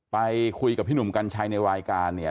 ไปคุยกับพี่หนุ่มกัญชัยในรายการเนี่ย